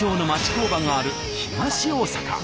工場がある東大阪。